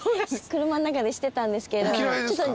車の中でしてたんですけどちょっと。